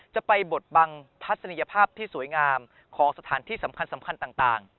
จะไปบดบังทัศนียภาพที่สวยงามของสถานที่สำคัญต่าง